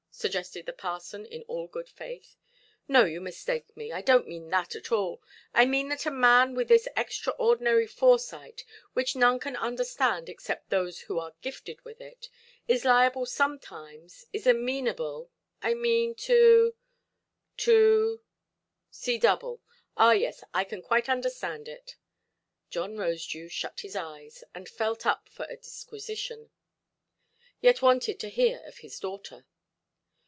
suggested the parson, in all good faith. "No, you mistake me; I donʼt mean that at all; I mean that a man with this extraordinary foresight, which none can understand except those who are gifted with it, is liable sometimes, is amenable—I mean to—to——" "See double. Ah, yes, I can quite understand it". John Rosedew shut his eyes, and felt up for a disquisition, yet wanted to hear of his daughter.